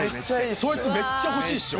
そいつめっちゃ欲しいっしょ？